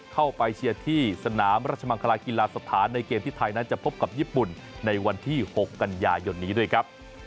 เข้าไปเชียร์ที่สนามราชมังคลากีฬาสถานในเกมที่ไทยนั้นจะพบกับญี่ปุ่นในวันที่๖กันยายนนี้ด้วยครับ